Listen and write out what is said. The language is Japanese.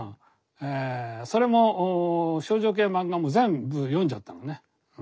それも少女系漫画も全部読んじゃったのね。